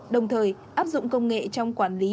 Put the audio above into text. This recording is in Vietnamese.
đồng thời áp dụng công nghệ trong quản lý